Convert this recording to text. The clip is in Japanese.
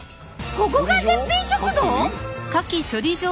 ここが絶品食堂？